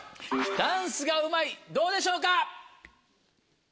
ダンスがうまいどうでしょうか？